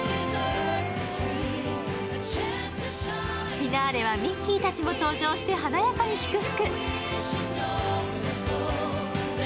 フィナーレはミッキー達も登場して華やかに祝福